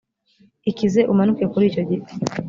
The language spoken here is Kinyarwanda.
ikize umanuke kuri icyo giti?